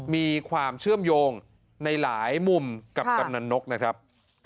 มีความเชื่อมโยงในหลายมุมกับกำนันนกนะครับ